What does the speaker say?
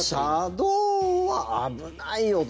車道は危ないよと。